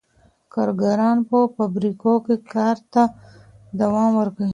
کارګران په فابریکو کي کار ته دوام ورکوي.